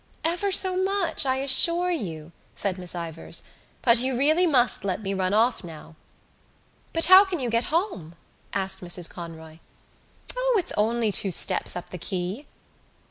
"Ever so much, I assure you," said Miss Ivors, "but you really must let me run off now." "But how can you get home?" asked Mrs Conroy. "O, it's only two steps up the quay."